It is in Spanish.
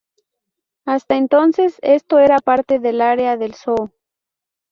Hasta entonces, esto era parte del área del Soho.